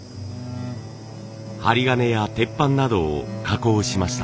針金や鉄板などを加工しました。